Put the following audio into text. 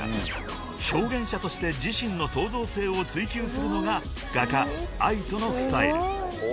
表現者として自身の創造性を追求するのが画家ＡＩＴＯのスタイル］